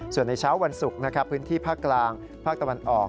ส่วนในเช้าวันศุกร์นะครับพื้นที่ภาคกลางภาคตะวันออก